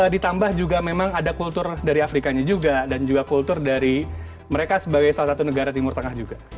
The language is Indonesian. ditambah juga memang ada kultur dari afrikanya juga dan juga kultur dari mereka sebagai salah satu negara timur tengah juga